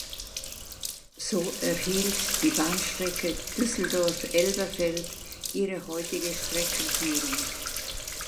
So erhielt die Bahnstrecke Düsseldorf–Elberfeld ihre heutige Streckenführung.